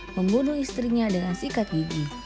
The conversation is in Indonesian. membunuh istrinya dengan sikat gigi